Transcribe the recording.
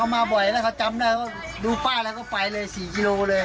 มาบ่อยแล้วเขาจำได้ว่าดูป้าแล้วก็ไปเลย๔กิโลเลย